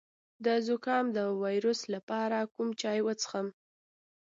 د زکام د ویروس لپاره کوم چای وڅښم؟